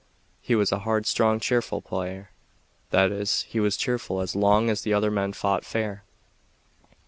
He was a hard, strong, cheerful player; that is, he was cheerful as long as the other men fought fair.